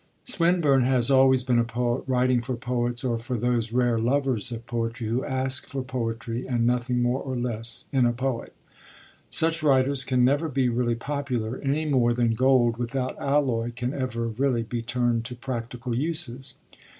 Swinburne has always been a poet writing for poets, or for those rare lovers of poetry who ask for poetry, and nothing more or less, in a poet. Such writers can never be really popular, any more than gold without alloy can ever really be turned to practical uses.